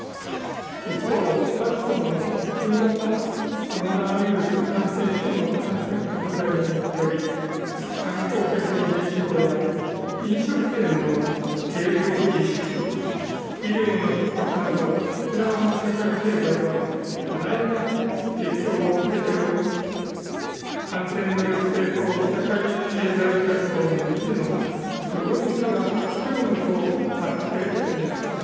一方、昨今の新型コロナウイルス感染症の感染拡大により観光客の減少や飲食店の営業自粛医療のひっ迫など沖縄の社会経済は多大な影響を受けており感染の抑制と社会経済活動の維持の両立が急務となっております。